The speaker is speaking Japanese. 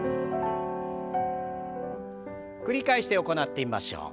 繰り返して行ってみましょう。